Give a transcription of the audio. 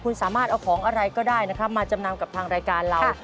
คุณสามารถเอาของอะไรก็ได้นะครับมาจำนำกับทางรายการเรา